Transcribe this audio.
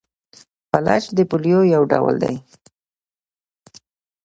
فلج د پولیو یو ډول دی.